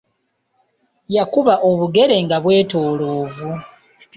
Yakuba obugere nga bwetoolovu.